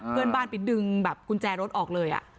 เพื่อนบ้านไปดึงแบบกุญแจรถออกเลย